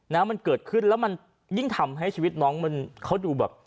นะมันเกิดขึ้นแล้วมันยิ่งทำให้ชีวิตน้องมันเขาดูแบบ